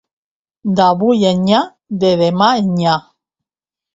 D'avui enllà, de demà enllà.